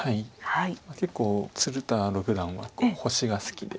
結構鶴田六段は星が好きで。